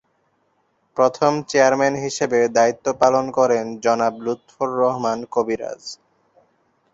প্রথম চেয়ারম্যান হিসেবে দায়িত্ব পালন করেন জনাব লুৎফর রহমান কবিরাজ।